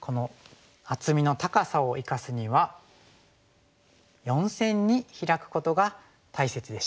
この厚みの高さを生かすには４線にヒラくことが大切でした。